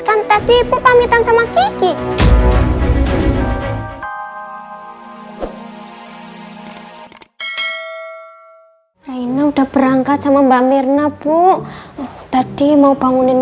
kan tadi ibu pamitan sama kiki raina udah berangkat sama mbak mirna bu tadi mau bangunin